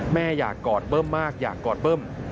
แม่อยากกอดเบิ้มมากอยากกอดเบิ้ม